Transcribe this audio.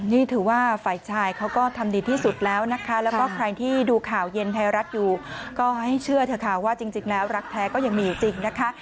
นี่ถือว่าฝ่ายชายเขาก็ทำดีที่สุดแล้วนะคะแล้วก็ใครที่ดูข่าวเย็นไทยรัฐอยู่ก็ให้เชื่อเถอะค่ะว่าจริงแล้วรักแท้ก็ยังมีจริงนะคะ